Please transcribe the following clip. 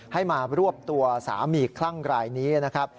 ให้มารวบตัวสามีคลั่งรายนี้นะครับ